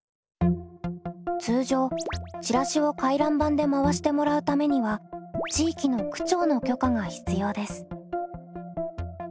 通常チラシを回覧板で回してもらうためには地域の区長の許可が必要です。